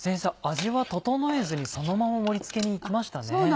味は調えずにそのまま盛り付けにいきましたね。